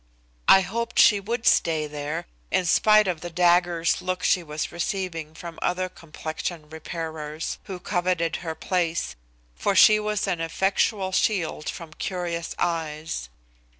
I hoped she would stay there, in spite the dagger's looks she was receiving from other complexion repairers who coveted her place, for she was an effectual shield from curious eyes.